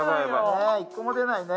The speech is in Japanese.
１個も出ないよね